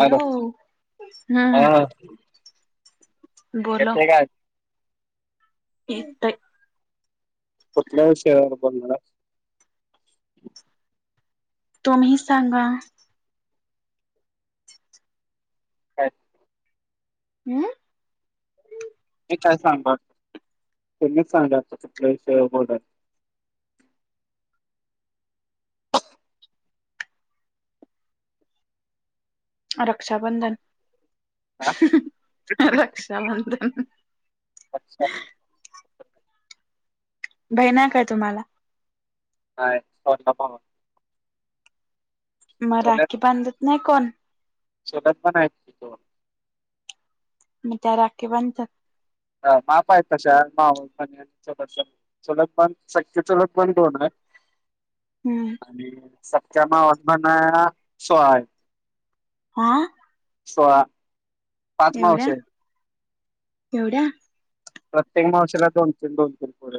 Hello, हम्म आ. बोलो. काय येतंय. कुठल्या विषयावर बोलणार आहे? तुम्ही सांगा? काय? हम्म? मी काय सांगणार? तुम्हीच सांगायचं, कुठल्या विषयावर बोलायचं? रक्षा बंधन, हा रक्षा बंधन. अच्छा बहीण आहे काय तुम्हाला? नाही. छोटा भाऊ आहे. मग राखी बांधत नाही कोण? शेतात पण आहेत. की दोन मग त्या राखी बांधतात? आ माप आहेत तश्या, मावस बहीणी, चुलत बहीणी. चुलतपण, सख्खी चुलतपण दोन आहे. हम्म. सख्ख्या [unintelligible] सोळा आहेत. आं? सोळा. पाच एवढ्या? मावशी आहेत एवढ्या? प्रत्येक मावशीला दोन-तीन, दोन-तीन पोरं आहेत.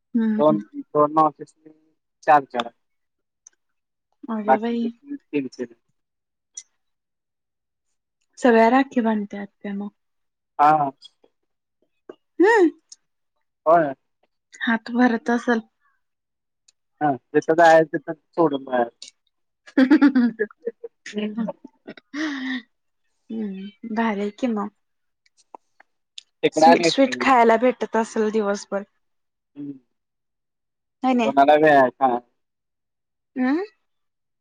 हम्म हम्म दोन मावशीसनी चार-चार, अगं बाई बाकीच्यासनी तीन-तीन. सगळ्या राखी बांधत्यात काय मग? हा हा. हम. होय. हात भरत असलं? हा. जिथं जायाचं, तिथंनं सोडून बाहेर. [unintelligible] हम्म, जायचं भारीयकी मग! तिकडं आणि स्वीट, येत नाही स्वीट हम्म. खायला भेटत असेल दिवसभर. हम्म, नाही नाही कुणाला वेळ आहे खाया? हम्म?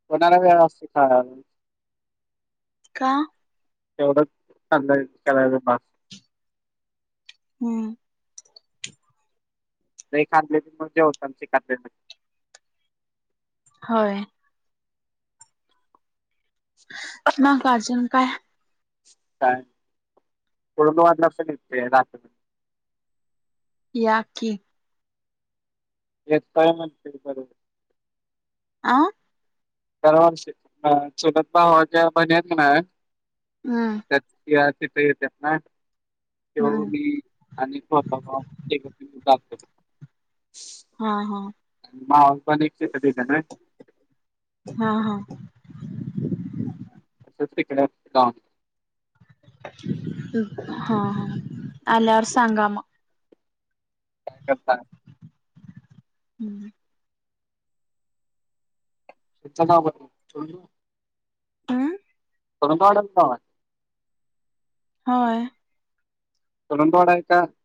कोणाला वेळ असतो खायाला? का? तेवढंच सांगायच, करायचं बास. हम्म. लई खाल्लं की. [unintelligible] होय. मग अजून काय? काय, तुला वाटलं असेल गिफ्ट ये. या की. ए काय म्हणतय अजून? आं? दरवर्षी चुलत भावाच्या बहिणी आहेत कणाय. हा. त्या तिथं येतात ना, त्यो हम्म मी आणि [unintelligible] हा हा [inaudible] मावस बहीण एक तिथंच ये. हा हा. तर तिकड [unintelligible] हा हा आल्यावर सांगा मग. काय करता? हम्म. तुमचा गाव [unintelligible] हम्म कुरुंदवाड्याला गाव आहे. हा. कुरूंदवाड्याला [unintelligible]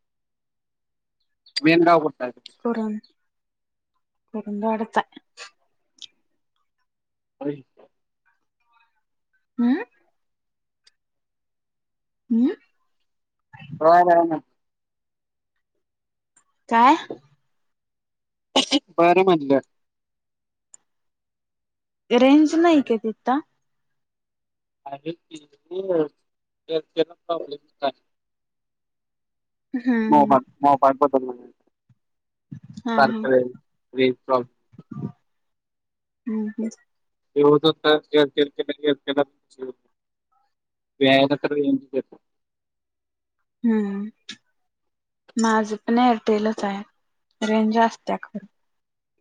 मेन गाव कुठला आहे? कुरुन [inaudible] कुरूंदवाड्यात आहे. [unintelligible] हम्म. हम्. [unintelligible] बर ना. काय? [unintelligible] बर म्हटलं. रेंज नाही काय तिथ? आहे की [unintelligible] हम्म हम्म मोबा मोबा मोबाईल बद्दल [inaudible] हा हा सारखं रेंज प्रॉब्ले [inaudible] हम्म [unintelligible] हे होत होतं [unintelligible] हम्म. माझं पण एअरटेलच आहे रेंज असत्या खरं.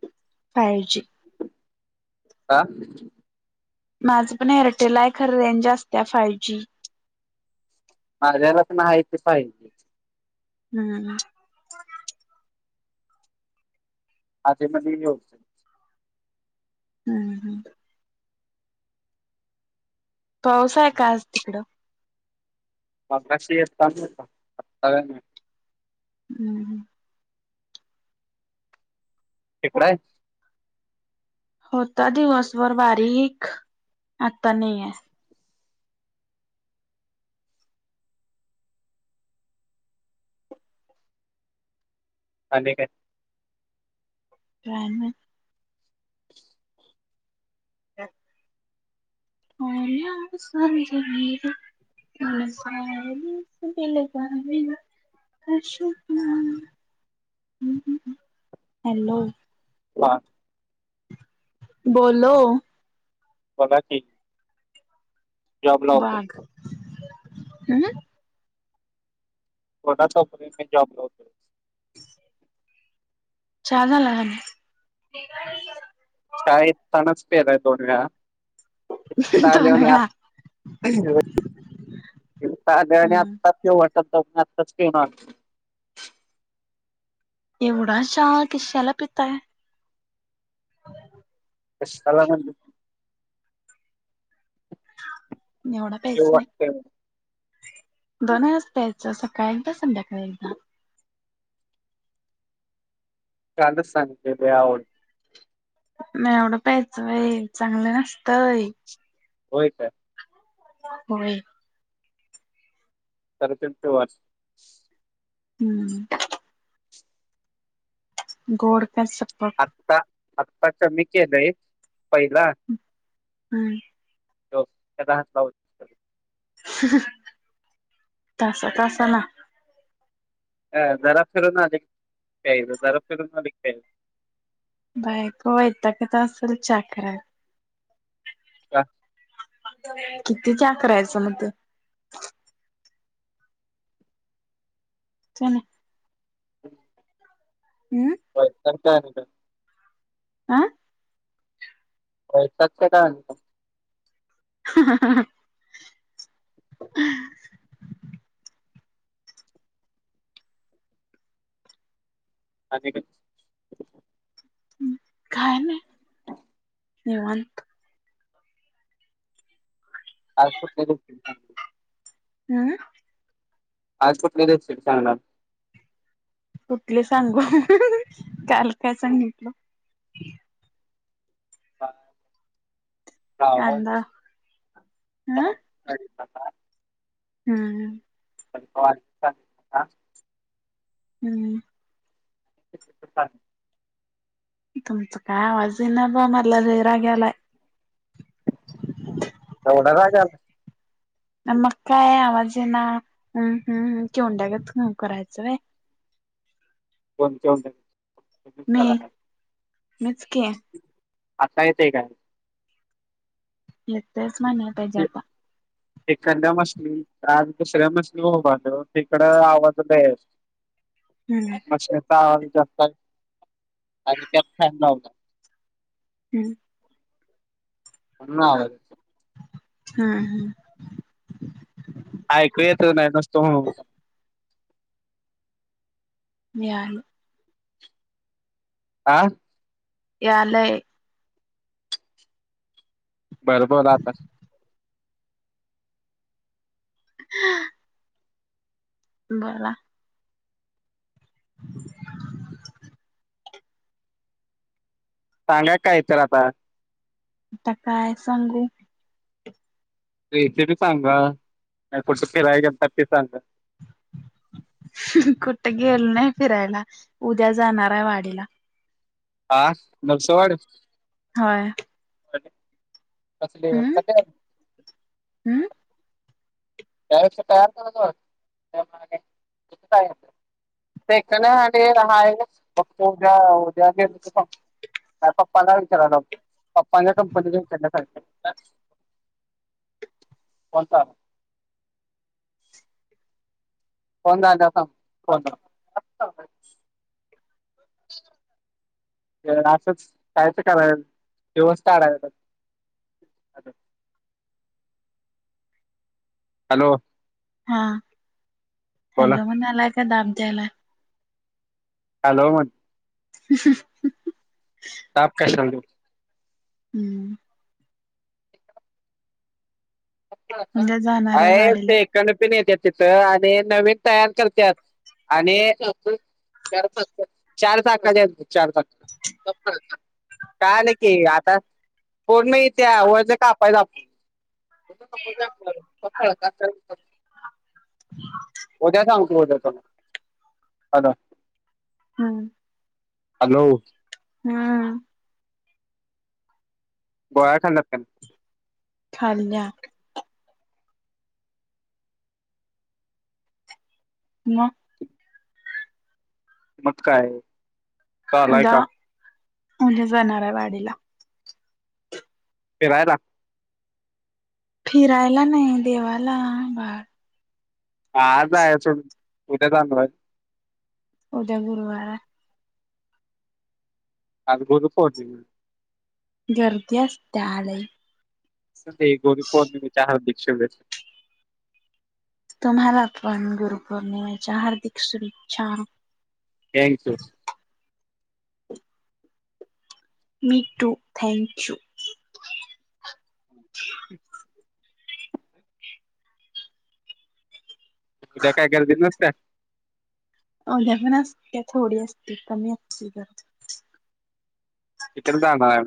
[inaudible] फाई जी. [inaudible] आ? माझं पण एअरटेल आहे खरं रेंज असत्या फाइव जी. माझ्याकडे पण आहे की फाईव जी. नाना. आधी-मधी हे होते. हम्म हम्. पाऊस आहे काय आज तिकड? मगाशी येत होता आता काय नाही. हम्म. तिकड हाय? होता दिवसभर बारीक आता नाही आहे. आणि काय? काय नाही. [inaudible] उम्या स्वर्ग मेरा. पास आओ दिल लगा लेना. कशी तू? [inaudible] हॅलो. [unintelligible] बोलो. बोला की. जॉब लावतो वाघ [inaudible] हम्. [unintelligible] मी जॉब लावतोय. छान आलाय. [inaudible] चहा येतानाच पिलाय दोन वेळा. [unintelligible] नाही दोन वेळा हम्म चांदण्यात चिवटी चौकात [unintelligible] एवढा चहा किश्याला पीताय. [inaudible] कशाला म्हणजे? एवढा प्याच नाही. [unintelligible] दोन वेळाच प्यायचा सकाळी एकदा, संध्याकाळी एकदा. काल सांग ते ते आवड नाही एवढं प्यायचंय चांगलं नसतय. होय का? होय. तर ते पोव हम्म. गोड का शपथ. आता आत्ता कमी केलंय पहिला हम्म. त्याचा हातला हो. [inaudible] तासा-तासाला. जरा फिरून आले की प्यायच, जरा फिरून आले की प्यायच. बायको वैतागत असेल चहा करायला. का. [inaudible] किती चहा करायचं मग ते? चणी. हम्म. वैताग त्यानी आं? वैतागतात [unintelligible] [inaudible] [inaudible] आणि? काय नाही निवांत. आज [unintelligible] हम्म. आज कुठली रेसिपी सांगणार? कुठली सांगू? काल काय सांगितलं? का कांदा ह [inaudible] [unintelligible] हम्म. [inaudible] हम्म. [inaudible] ठी तुमच काय आवाज येईना बा मला लय राग यायला. [inaudible] एवढा राग याला मग काय आवाज येईना हम् हम् चिवंड्यागत हम् करायचं वय. कोण कोणडे. मी मीच की. असता येते काय? येतयच म्हणल पाहिजे आता. एखाद्या मशनी आज दुसऱ्या मशनी उभ [inaudible] तिकड आवाजच ये ना. [inaudible] हम्म. [unintelligible] चा आहज जास्त आहे आणि त्यात फ होत. हम्म. आवाज [inaudible] हा हा. ऐकू येत नाही नुसत हुं. मी आहे. आं यालंय. बर बोद आतास. [inaudible] बोला. सांगा काय तर आता. आता काय सांगू? येते ती सांगा, नाही कुठं फिराय गेलता ते सांगा. कुठे गेल नाही फिरायला, उद्या जाणार आहे वाडीला. आ नगसवाड. होय. [inaudible] हम्म [unintelligible] हम्म त्या तयार. [unintelligible] [unintelligible] ते राहाय फक्त उद्या‌ उद्या ग त [inaudible] फ पप्पला विचार [unintelligible] पप्पाला कंपनीलाण्या [inaudible] सांगितल्या. [inaudible] कोणता? फोन दा आता [unintelligible] [unintelligible] च कायचं करा व्यवस्थ दिवस काडायच. हॅलो. हा, बोला हॅलो म्हणालाय काय दाब द्यायला. हॅलो म [inaudible] ताप कशाला दु. हम्म. उद्या जाणार आहे वाडीला ते कण [unintelligible] पिण तिथं आणि तयार करत्यात. आणि चार चाक, चार चाक, चार चाकाची, चार चाका. [inaudible] काय नाही की आता कोण नाही त्या वरच कापायच आ [unintelligible] सफळ का [inaudible] उद्या सांगतो उद्या तु [inaudible] आ हम्म. हॅलो. हा. गोळ्यात खालल्यात काय? खालल्यात. मग? मग काय. चालूय उद्या का [inaudible] उद्या जाणार आहे वाडीला. फिरायला. फिरायला नाही देवाला बा आज जायायच, उद्या जाणार आहे. उद्या गुरवार आहे. आज गुरूपौर्णिमा. गर्दी असत्यालय. ते गुरू पौर्णिमेच्या हार्दिक शुभेच्छा. तुम्हाला पण गुरुपौर्णिमेच्या हार्दिक शुभेच्छा. थँकस. मी टु थँक्यू. ऊद्या काय गर्दी नसत्या? उद्या पण असत थोडी असते कमी असते गर्दी. ईकडुन जाणार.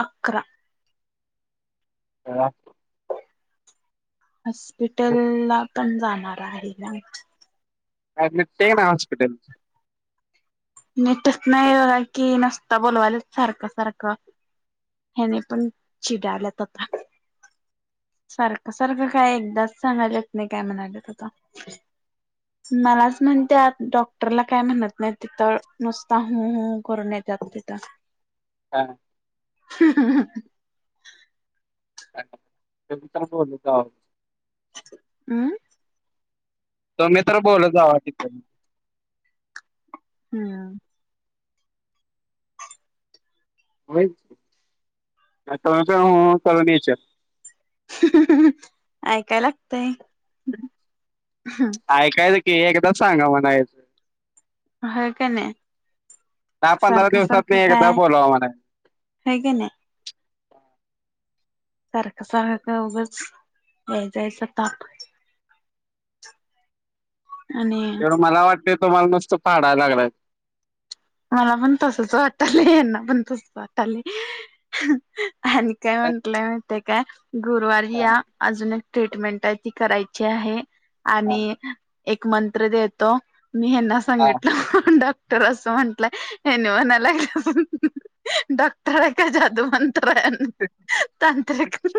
अकरा. करा. हॉस्पिटलला पण जाणार आहे ना. आज मिटतय ना हॉस्पिटल? मीटच नाही बघा की नुसता बोलवायला सारखं-सारखं. हेन्ही पण चिडायल्यात आता. सारखं-सारखं काय एकदाच सांगालय येत नाही काय म्हणाले त आता. मलाच म्हणत्यात डॉक्टरला काय म्हणत नाही तिथं. नुसता हु हु करून येतात तिथ. का [inaudible] का ब का [unintelligible] हम्म. तुम्ही तर बोलत जावा की. हम्म [unintelligible] हु हु करत येशील. ऐकाय लागतय. ऐकायच की एकदाच सांगा म्हणायच. होय का नाही. दहा पंधरा सारखं दिवसातन सारखं एकदा काय बोलवा म्हणायच. हाय की नाही. सारख सारख का उगच यायचा जायचा ताप आणि त्यो मला वाटत तुम्हाला नुसत फाडाय लागलाय. मला पण तसच वाटायलय ह्यांना पण तसच वाटायलय. आणि काय म्हंटलाय माहीतीये काय गुरुवारी हा या. अजून एक ट्रीटमेंट आहे ती करायची आहे हा आणि एक मंत्र देतो मी ह्यांना हा सांगितल डॉक्टर अस म्हणत ह्यांनी म्हणायला लागले डॉक्टर आहे का जादू मंतर हाय. तांत्रिक.